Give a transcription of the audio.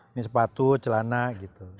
ini sepatu celana gitu